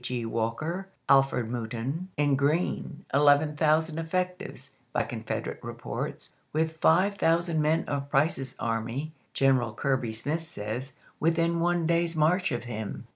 Gr. Walker, Alfred Mouton, and Green, eleven thou sand effectives, by Confederate reports, with five thousand men of Price's army, General Kirby Smith says, within one day's march of him.